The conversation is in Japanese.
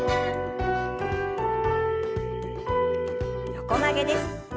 横曲げです。